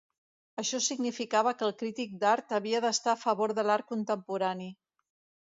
Això significava que el crític d'art havia d'estar a favor de l'art contemporani.